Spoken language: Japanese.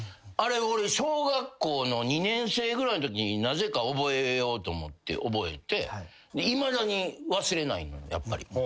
あれ俺小学校の２年生ぐらいのときになぜか覚えようと思って覚えていまだに忘れないのやっぱり。